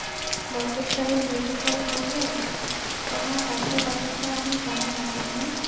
বরকত সাহেব মৃদুস্বরে বললেন, তোমার গাছের ব্যাপারটা আমি জানি না তিন্নি।